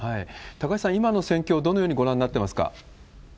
高橋さん、今の戦況、どのようにご覧になってますか？